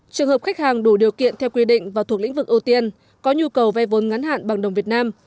trường hợp khách hàng đủ điều kiện theo quy định và thuộc lĩnh vực ưu tiên có nhu cầu vay vốn ngắn hạn bằng đồng việt nam